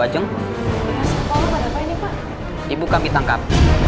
ajeng ibu kami tangkap